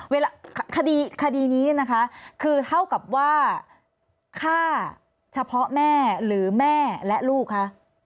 คดีนี้นะคะคือเท่ากับว่าฆ่าเฉพาะแม่หรือแม่และลูกคะ